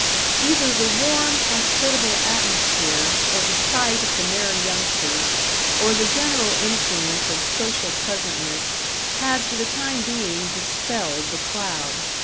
Either the warm, hospitable atmosphere, or the sight of the merry youngsters, or the general influence of social pleasantness, had for the time being dispelled the cloud.